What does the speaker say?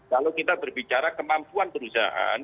kalau kita berbicara kemampuan perusahaan